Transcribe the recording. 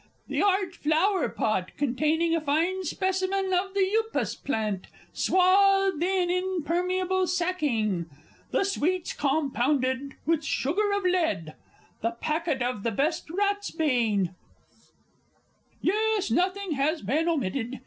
The art flower pot, containing a fine specimen of the Upas plant, swathed in impermeable sacking? The sweets compounded with sugar of lead? The packet of best ratsbane? Yes, nothing has been omitted.